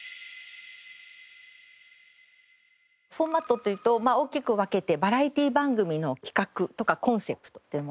フォーマットというと大きく分けてバラエティー番組の企画とかコンセプトというもの。